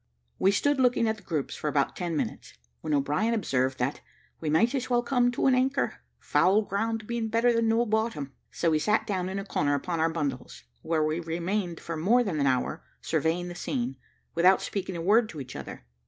We stood looking at the groups for about ten minutes, when O'Brien observed that "we might as well come to an anchor, foul ground being better than no bottom;" so we sat down in a corner upon our bundles, where we remained for more than an hour, surveying the scene, without speaking a word to each other.